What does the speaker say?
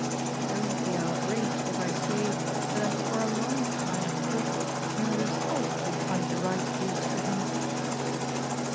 Don't be outraged if I say that I've for a long time hoped you yourself would find the right use for him."